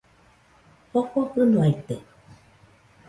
Jofo fɨnoaite